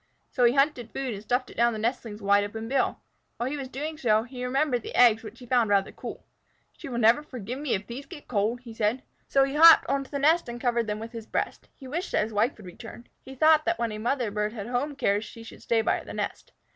So he hunted food and stuffed it down the nestling's wide open bill. While he was doing so, he remembered the eggs, which he found rather cool. "She will never forgive me if those get cold," he said, so he hopped onto the nest and covered them with his breast. He wished that his wife would return. He thought that when a mother bird had home cares she should stay by the nest.